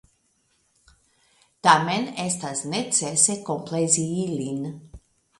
Tamen estas necese komplezi ilin.